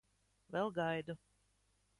Vēl gaidu.